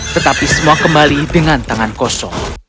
tetapi semua kembali dengan tangan kosong